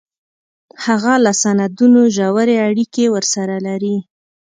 هغه له سندونو ژورې اړیکې ورسره لري